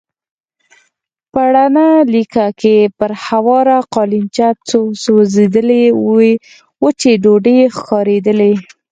په رڼه لېکه کې پر هواره قالينچه څو سوځېدلې وچې ډوډۍ ښکارېدلې.